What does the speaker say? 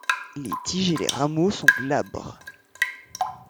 Les tiges et les rameaux sont glabres.